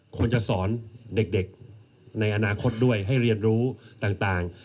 ควรจะสอนเด็กในอนาคตด้วยให้เรียนรู้ต่าง